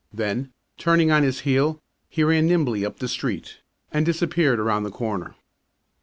Then, turning on his heel, he ran nimbly up the street and disappeared around the corner.